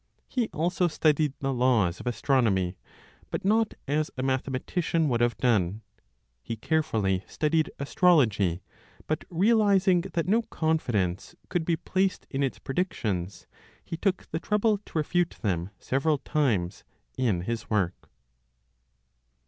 He also studied the laws of astronomy, but not as a mathematician would have done; he carefully studied astrology; but realizing that no confidence could be placed in its predictions, he took the trouble to refute them several times, in his work.